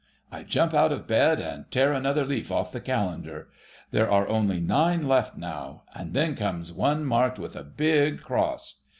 I jump out of bed and tear another leaf off the calendar,—there are only nine left now, and then comes one marked with a big cross....